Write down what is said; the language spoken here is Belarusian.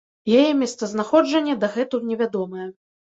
Яе месцазнаходжанне дагэтуль невядомае.